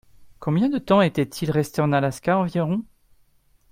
Combien de temps était-il resté en Alaska environ ?